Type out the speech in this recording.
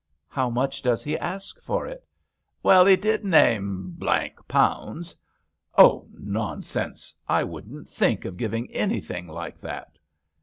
How much does he ask for it ? Well, 'e did name pounds.' Oh ! nonsense. I shouldn't think of giving anything like that."